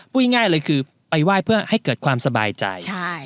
พูดง่ายเลยคือไปไหว้เพื่อให้เกิดความสบายใจ